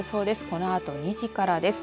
このあと２時からです。